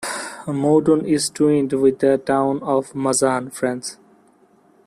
Moudon is twinned with the town of Mazan, France.